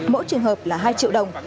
mỗi trường hợp là hai triệu đồng